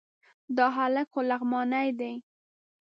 دا هلک خو لغمانی دی...